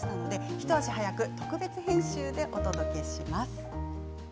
一足早く特別編集でお届けします。